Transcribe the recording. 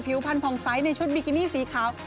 ผิวพันธุ์ภองไซส์ในชุดบิกินี่สีขาว